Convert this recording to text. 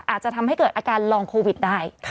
อาจจะทำให้เกิดอาการลองโควิดได้